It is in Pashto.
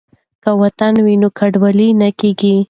که وطن وي نو کډوال نه کیږو.